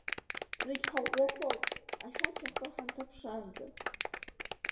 Зегь ҳаӷәӷәақәоуп, ашәақь ахы ҳанҭаԥшаанӡа.